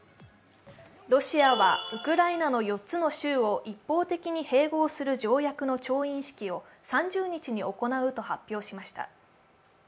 ロシアはウクライナの４つの州を一方的に併合する条約の調印式を３０日に行うと発表しました。